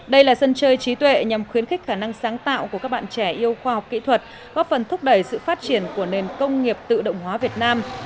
đây là sân chơi trí tuệ nhằm khuyến khích khả năng sáng tạo của các bạn trẻ yêu khoa học kỹ thuật góp phần thúc đẩy sự phát triển của nền công nghiệp tự động hóa việt nam